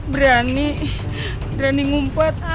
berani berani ngumpet